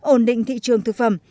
ổn định thị trường thực phẩm